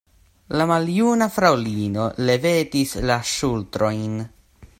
La maljuna fraŭlino levetis la ŝultrojn.